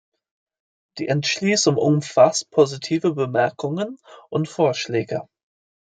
Die Entschließung umfasst positive Bemerkungen und Vorschläge.